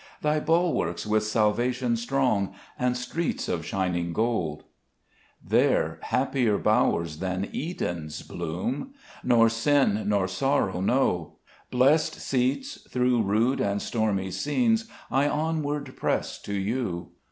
Thy bulwarks with salvation strong, And streets of shining; gold ? 3 There happier bowers than Eden's bloom, Xor sin nor sorrow know : Blest seats ! through rude and stormy scenes I onward press to you.